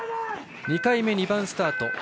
２回目２番スタート